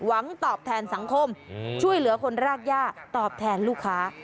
หวังตอบแทนสังคมช่วยเหลือคนรากย่าตอบแทนลูกค้า